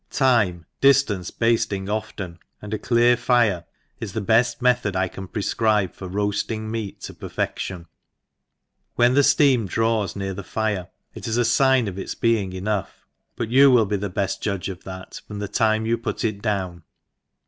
Timen diftance, bailing often, and a clear fire, is the beft method I can prefcribe for roafting meat to perfedion ; when the fteam draws near the fire, it is a fign of its being enough, butyoo will bfS the beft judge of that from the time you put it down.